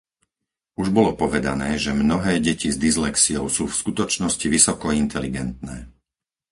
Už bolo povedané, že mnohé deti s dyslexiou sú v skutočnosti vysoko inteligentné.